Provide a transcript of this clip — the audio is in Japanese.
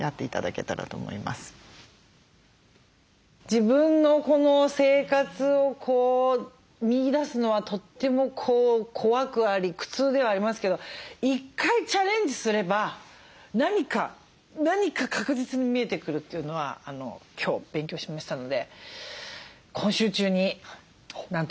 自分のこの生活を見いだすのはとっても怖くあり苦痛ではありますけど１回チャレンジすれば何か何か確実に見えてくるというのは今日勉強しましたので今週中になんとかあのこれをやりたいと。